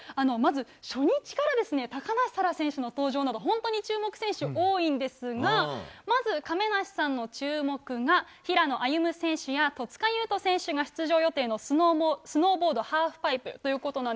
まず、初日から高梨沙羅選手の登場など注目選手が多いんですがまず、亀梨さんの注目が平野歩夢選手や戸塚優斗選手が出場予定のスノーボード・ハーフパイプ。